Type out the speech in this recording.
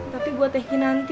tapi buat teh kinanti